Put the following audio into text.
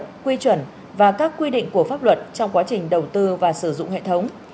các quy chuẩn và các quy định của pháp luật trong quá trình đầu tư và sử dụng hệ thống